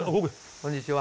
こんにちは。